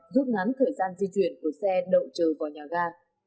rút ngắn thời gian di chuyển của xe đậu chờ vào nhà ga